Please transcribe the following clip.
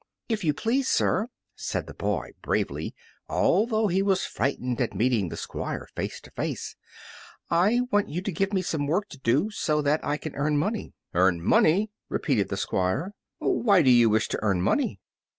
"If you please, sir," said the boy, bravely, although he was frightened at meeting the Squire face to face, "I want you to give me some work to do, so that I can earn money." "Earn money!" repeated the Squire, "why do you wish to earn money?"